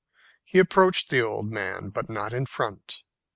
He approached the old man, but not in front.